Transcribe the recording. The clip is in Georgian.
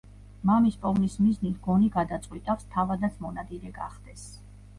მამის პოვნის მიზნით გონი გადაწყვიტავს, თავადაც მონადირე გახდეს.